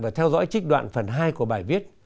và theo dõi trích đoạn phần hai của bài viết